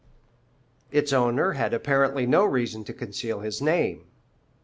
Its owner had apparently no reason to conceal his name.